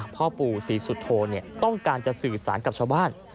พ่อปู่ศรีสุโธต้องการจะสื่อสารกับชาวบ้าน